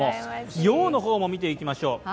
洋の方も見ていきましょう。